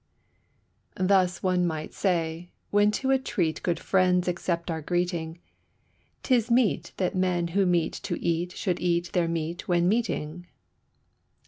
Thus, one might say, when to a treat good friends accept our greeting, 'Tis meet that men who meet to eat should eat their meat when meeting.